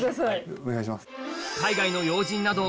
お願いします。